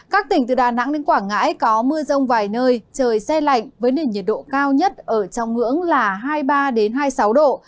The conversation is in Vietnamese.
các tỉnh từ đà nẵng đến quảng ngãi có mưa rông vài nơi trời xe lạnh với nền nhiệt độ cao nhất ở trong ngưỡng là hai mươi ba hai mươi sáu độ